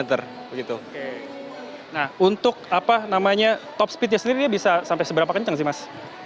nah untuk apa namanya top speednya sendiri bisa sampai seberapa kenceng sih mas